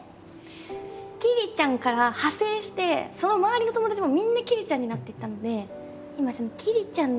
「きりちゃん」から派生してその周りの友達もみんな「きりちゃん」になっていったので今きりちゃんの木ときゃりーぱみ